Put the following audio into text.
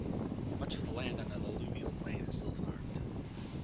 Much of the land on the alluvial plain is still farmed.